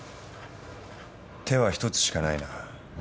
手はひとつしかないな。